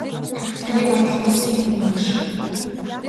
Таны бодол уулсын минь нөмөр шиг.